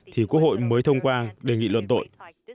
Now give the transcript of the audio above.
thì quốc hội mới thông qua đề nghị luận tội